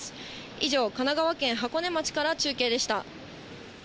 以上、神奈川県箱根町から中継でした。